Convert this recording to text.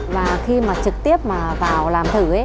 và khi mà trực tiếp vào làm thử